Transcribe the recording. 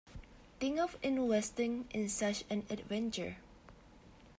Think of investing in such an adventure.